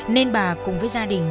nên bà cùng với gia đình